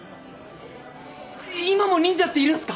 今も忍者っているんすか？